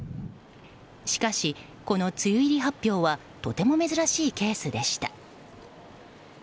しかし、この梅雨入りはとても珍しいケースでした。